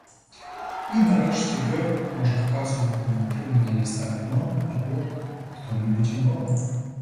І, нарешті, "Г" може вказувати на отримання листа від мами або хто-небудь іного.